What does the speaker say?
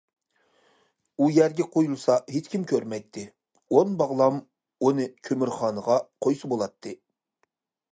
ئۇ يەرگە قويۇلسا ھېچكىم كۆرمەيتتى، ئون باغلام ئونى كۆمۈرخانىغا قويسا بولاتتى.